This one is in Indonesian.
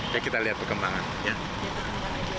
ya kita lihat perkembangan